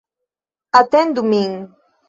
Atendu min!